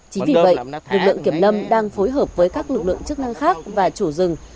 chính vì vậy lực lượng kiểm lâm đang phối hợp với các lực lượng chức năng khác và chủ rừng